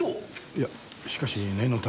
いやしかし念のため。